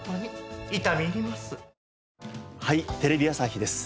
『はい！テレビ朝日です』